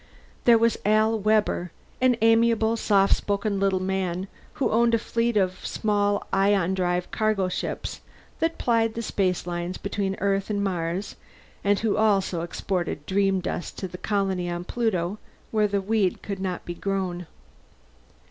There was Al Webber, an amiable, soft spoken little man who owned a fleet of small ion drive cargo ships that plied the spacelines between Earth and Mars, and who also exported dreamdust to the colony on Pluto, where the weed could not be grown.